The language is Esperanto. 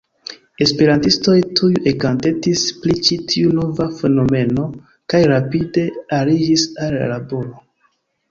Esperantistoj tuj ekatentis pri ĉi tiu nova fenomeno, kaj rapide aliĝis al la laboro.